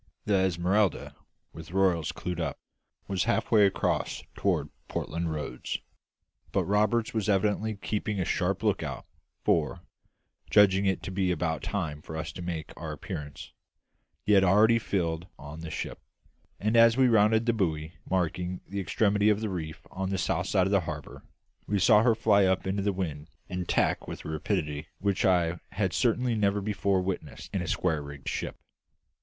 The Esmeralda, with royals clewed up, was halfway across toward Portland Roads; but Roberts was evidently keeping a sharp lookout, for, judging it to be about time for us to make our appearance, he had already filled on the ship, and as we rounded the buoy marking the extremity of the reef on the south side of the harbour, we saw her fly up into the wind and tack with a rapidity which I had certainly never before witnessed in a square rigged ship.